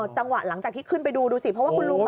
อ๋อจังหวะหลังจากที่ขึ้นไปดูดูสิเพราะว่าคุณลูกแบบ